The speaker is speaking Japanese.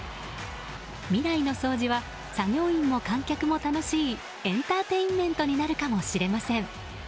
未来の掃除は作業員も観客も楽しいエンターテインメントになるかもしれません。